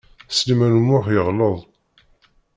Sliman U Muḥ yeɣleḍ.